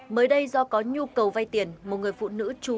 mới đây do có nhu cầu vay tiền một người phụ nữ trú